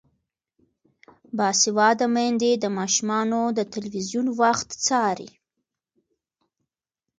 باسواده میندې د ماشومانو د تلویزیون وخت څاري.